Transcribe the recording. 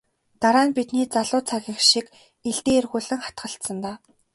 Дараа нь бидний залуу цагийнх шиг илдээ эргүүлэн хатгалцсан даа.